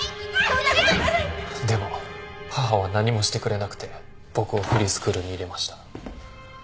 そんなこと言わないででも母は何もしてくれなくて僕をフリースクールに入れました。